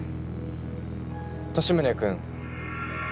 利宗君。